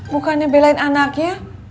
bukannya belain anaknya